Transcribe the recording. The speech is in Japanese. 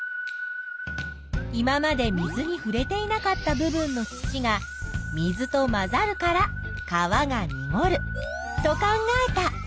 今まで水にふれていなかった部分の土が水と混ざるから川がにごると考えた。